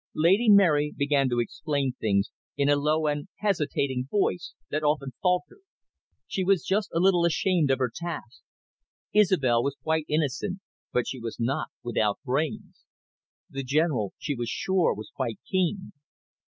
Lady Mary began to explain things in a low and hesitating voice, that often faltered. She felt just a little ashamed of her task. Isobel was quite innocent, but she was not without brains. The General, she was sure, was quite keen.